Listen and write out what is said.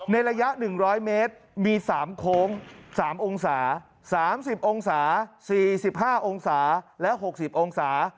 ระยะ๑๐๐เมตรมี๓โค้ง๓องศา๓๐องศา๔๕องศาและ๖๐องศา